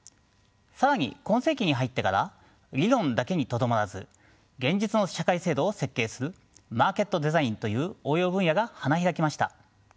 更に今世紀に入ってから理論だけにとどまらず現実の社会制度を設計するマーケットデザインという応用分野が花開きました。